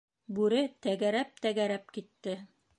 Бүре тәгәрәп, тәгәрәп китте.